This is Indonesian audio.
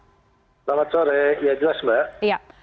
selamat sore ya jelas mbak